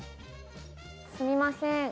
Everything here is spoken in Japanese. すみません。